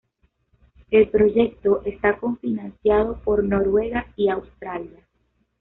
El proyecto está co-financiado por Noruega y Australia.